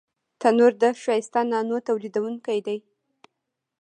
تنور د ښایسته نانو تولیدوونکی دی